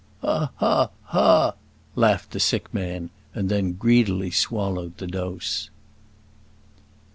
"Ha! ha! ha!" laughed the sick man, and then greedily swallowed the dose.